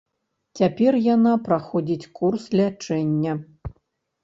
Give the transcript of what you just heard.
Цяпер яна праходзіць курс лячэння.